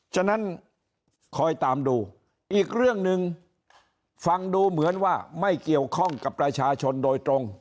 ฉะนั้นคอยตามดูอีกเรื่องหนึ่งฟังดูเหมือนว่าไม่เกี่ยวข้องกับประชาชนโดยตรง